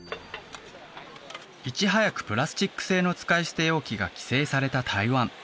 いち早くプラスチック製の使い捨て容器が規制された台湾